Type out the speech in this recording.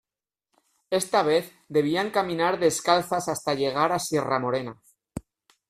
Esta vez debían caminar descalzas hasta llegar a Sierra Morena.